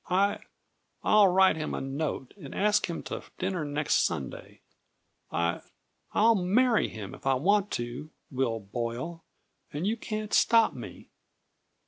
I I'll write him a note, and ask him to dinner next Sunday. I I'll marry him if I want to, Will Boyle, and you can't stop me!